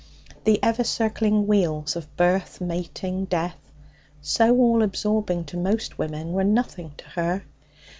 The ever circling wheels of birth, mating, death, so all absorbing to most women, were nothing to her.